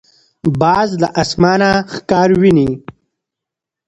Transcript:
باز له اسمانه ښکار ویني.